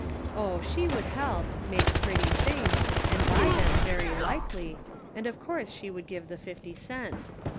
Oh, she would help ; make pretty things, and buy them very likely, and of course she would give the fifty cents.